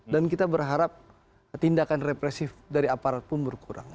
dan kita berharap tindakan represif dari aparat pun berkurang